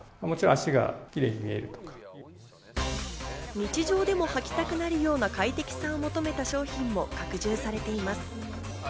日常でも履きたくなるような快適さを求めた商品も拡充されています。